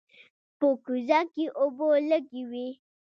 په کوزه کې اوبه لږې وې.